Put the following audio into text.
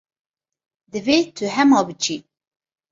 Divê tu hema biçî.